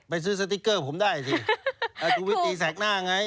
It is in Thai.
ซื้อสติ๊กเกอร์ผมได้สิชุวิตตีแสกหน้าไง